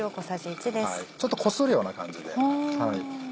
ちょっとこするような感じで。